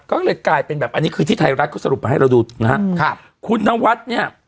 ก็เลยกลายเป็นแบบอันนี้คือที่ไทยรัฐเขาสรุปมาให้เราดูนะฮะครับคุณนวัดเนี่ย